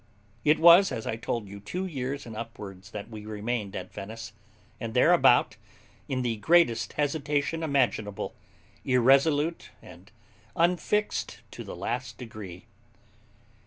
It was, as I told you, two years and upwards that we remained at Venice and thereabout, in the greatest hesitation imaginable, irresolute and unfixed to the last degree.